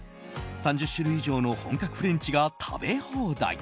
３０種類以上の本格フレンチが食べ放題。